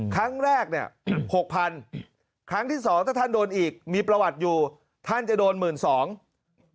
ครั้งแรก๖๐๐๐บาทครั้งที่สองถ้าท่านโดนอีกมีประวัติอยู่ท่านจะโดน๑๒๐๐๐บาท